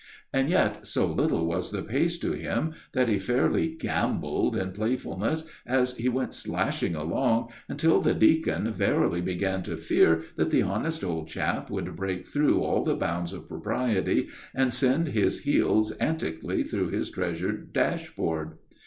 And yet so little was the pace to him that he fairly gambolled in playfulness as he went slashing along, until the deacon verily began to fear that the honest old chap would break through all the bounds of propriety and send his heels antically through his treasured dashboard.